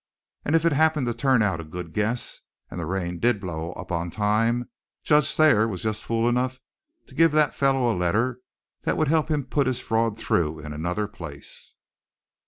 And if it happened to turn out a good guess, and a rain did blow up on time, Judge Thayer was just fool enough to give the fellow a letter that would help him put his fraud through in another place.